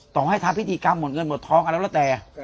ต่อให้ทำพิธีกรรมหมดเงินหมดทองอะไรแล้วแต่